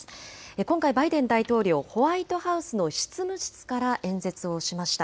今回、バイデン大統領、ホワイトハウスの執務室から演説をしました。